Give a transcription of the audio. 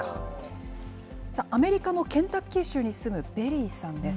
アメリカのケンタッキー州に住むベリーさんです。